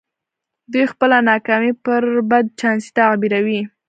دوی خپله ناکامي پر بد چانسۍ تعبيروي.